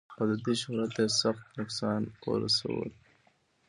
او د دوي شهرت تۀ ئې سخت نقصان اورسولو